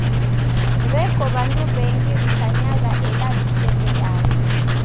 W'eko w'andu w'engi w'ikanyagha ela w'isededagha.